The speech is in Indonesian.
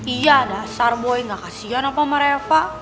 iya dasar boy gak kasihan apa sama reva